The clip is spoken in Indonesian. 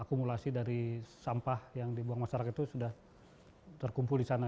akumulasi dari sampah yang dibuang masyarakat itu sudah terkumpul di sana